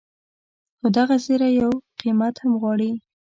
خو دغه زیری یو قیمت هم غواړي.